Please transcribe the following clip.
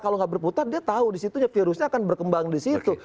kalau nggak berputar dia tahu di situ virusnya akan berkembang di situ